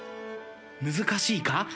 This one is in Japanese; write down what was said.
難しいか？